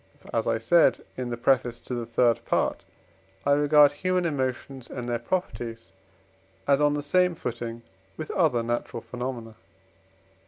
For, as I said in the preface to the third Part, I regard human emotions and their properties as on the same footing with other natural phenomena.